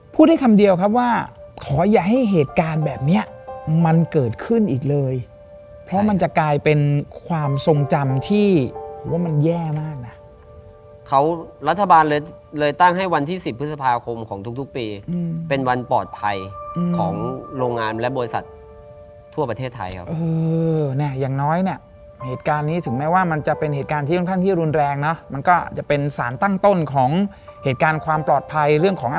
พูดให้คำเดียวครับว่าขออย่าให้เหตุการณ์แบบเนี้ยมันเกิดขึ้นอีกเลยเพราะมันจะกลายเป็นความทรงจำที่ผมว่ามันแย่มากน่ะเขารัฐบาลเลยเลยตั้งให้วันที่สิบพฤษภาคมของทุกทุกปีอืมเป็นวันปลอดภัยอืมของโรงงานและบริษัททั่วประเทศไทยครับเออเนี้ยอย่างน้อยเนี้ยเหตุการ